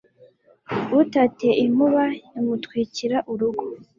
Utatiye inkuba imutwikira urugo